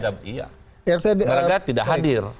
negara tidak hadir